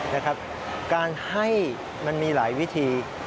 นะครับการให้มันมีหลายวิธี